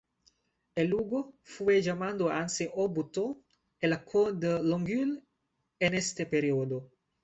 El lugo fue llamado Anse-aux-Batteaux en la Côte de Longueuil en este periodo.